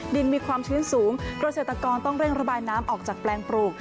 มีความชื้นสูงเกษตรกรต้องเร่งระบายน้ำออกจากแปลงปลูก